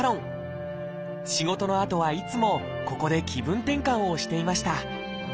仕事のあとはいつもここで気分転換をしていました。